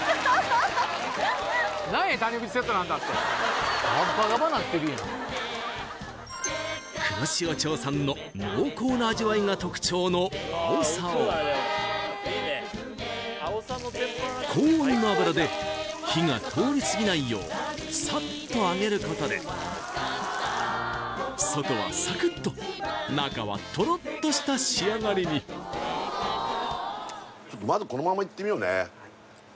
何や「たにぐちセットなんだ」って黒潮町産の濃厚な味わいが特徴のあおさを高温の油で火が通りすぎないようサッと揚げることで外はサクッと中はとろっとした仕上がりにまずこのままいってみようね